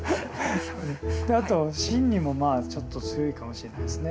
あと瞋恚もまあちょっと強いかもしれないですね。